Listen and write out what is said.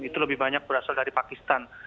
itu lebih banyak berasal dari pakistan